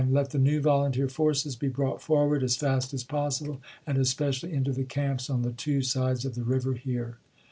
Let the new volunteer forces be brought forward as fast as possible ; and especially into the camps on the two sides of the river here.